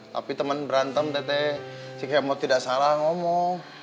tapi temen berantem teke si kemo tidak salah ngomong